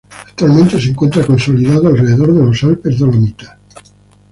Actualmente se encuentra consolidado alrededor de los Alpes Dolomitas.